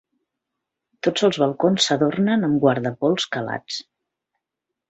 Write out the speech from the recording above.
Tots els balcons s'adornen amb guardapols calats.